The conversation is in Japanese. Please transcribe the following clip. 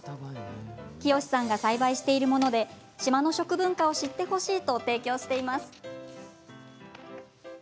清さんが栽培しているもので島の食文化を知ってほしいと提供しています。